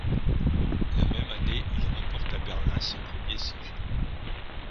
La même année, il remporte à Berlin ses premiers six jours.